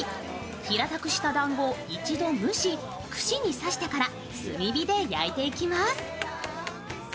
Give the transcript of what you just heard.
平たくしただんごを一度蒸し串に刺してから炭火で焼いていきます。